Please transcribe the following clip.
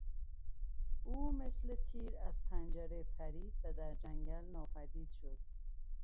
او مثل تیر از پنجره پرید و در جنگل ناپدید شد.